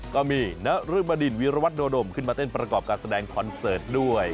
ก็มีนรึบดินวิรวัตโดมขึ้นมาเต้นประกอบการแสดงคอนเสิร์ตด้วย